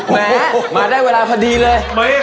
แม่มาได้เวลาพอดีเลย